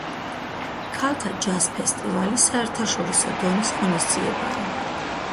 ქალთა ჯაზ ფესტივალი საერთაშორისო დონის ღონისძიებაა.